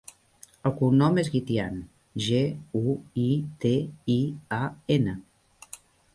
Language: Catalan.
El cognom és Guitian: ge, u, i, te, i, a, ena.